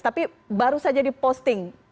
tapi baru saja di posting